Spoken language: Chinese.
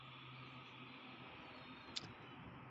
粤港汽车现时是广东省交通集团有限公司的成员之一。